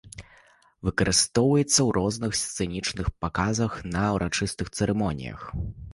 Выкарыстоўваецца ў розных сцэнічных паказах і на ўрачыстых цырымоніях.